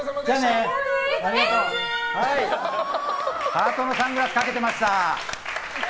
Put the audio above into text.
ハートのサングラスかけてました。